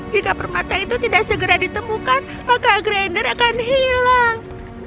jika permata itu tidak segera ditemukan maka grander akan hilang